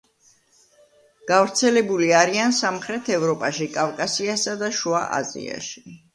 გავრცელებული არიან სამხრეთ ევროპაში, კავკასიასა და შუა აზიაში.